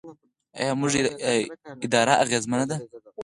آیا زموږ اداره اغیزمنه ده؟